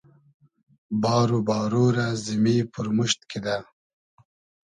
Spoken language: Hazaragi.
بار و بارۉ رۂ زیمی پورموشت کیدۂ